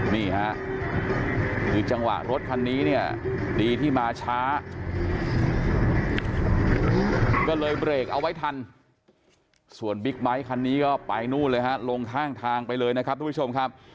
นี่ฮะคือจังหวะรถคันนี้เนี่ยดีที่มาช้าก็เลยเบรกเอาไว้ทันส่วนบิ๊กไบท์คันนี้ก็ไปนู่นเลยฮะลงข้างทางไปเลยนะครับทุกผู้ชมครับ